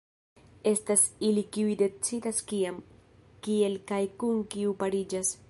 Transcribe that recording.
Estas ili kiuj decidas kiam, kiel kaj kun kiu pariĝas.